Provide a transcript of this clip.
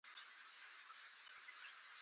د مور زړه دې کړه ترې غوڅ رایې وړه ماله.